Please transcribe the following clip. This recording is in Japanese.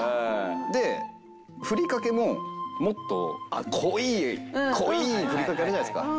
でふりかけももっと濃い濃いふりかけあるじゃないですか。